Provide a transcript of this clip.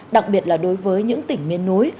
đặc biệt là đối với những tỉnh miên núi